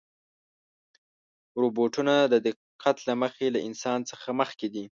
روبوټونه د دقت له مخې له انسان څخه مخکې دي.